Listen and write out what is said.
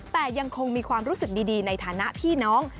แต่ยังคงมีความรู้สึกดีในฐานะพี่น้อง